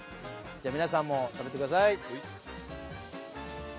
じゃあ皆さんも食べてください。